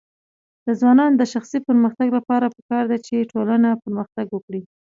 د ځوانانو د شخصي پرمختګ لپاره پکار ده چې ټولنه پرمختګ ورکړي.